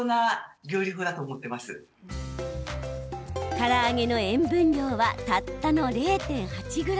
から揚げの塩分量はたったの０．８ｇ。